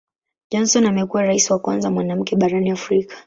Johnson amekuwa Rais wa kwanza mwanamke barani Afrika.